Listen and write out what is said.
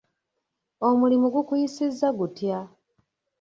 Omulimu gukuyisizza gutya?